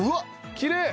きれい！